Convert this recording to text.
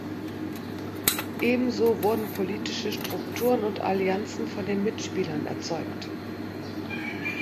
Ebenso wurden politische Strukturen und Allianzen von den Mitspielern erzeugt.